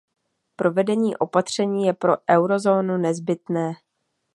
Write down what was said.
Provedení opatření je pro eurozónu nezbytné.